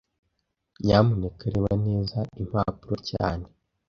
Nyamuneka reba neza impapuro cyane